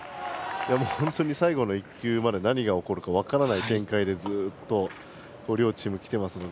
本当に最後の１球まで何が起こるか分からない展開でずっと両チーム、きているので。